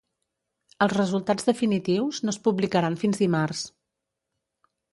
Els resultats definitius no es publicaran fins dimarts.